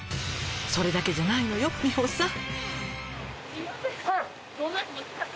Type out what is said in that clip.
「それだけじゃないのよ美穂さん」